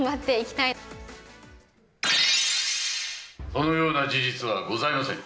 そのような事実はございません。